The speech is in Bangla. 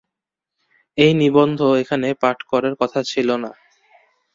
এই নিবন্ধ এখানে পাঠ করার কথা ছিল না।